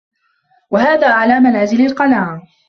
وَهَذَا أَعْلَى مَنَازِلِ الْقَنَاعَةِ